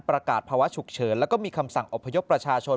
ภาวะฉุกเฉินแล้วก็มีคำสั่งอพยพประชาชน